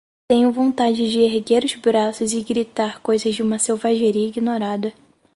Tenho vontade de erguer os braços e gritar coisas de uma selvageria ignorada